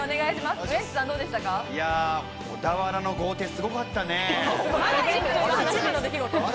小田原の豪邸すごかったね。